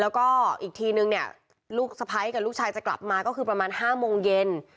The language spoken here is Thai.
แล้วก็อีกทีนึงเนี่ยลูกสะพ้ายกับลูกชายจะกลับมาก็คือประมาณ๕โมงเย็น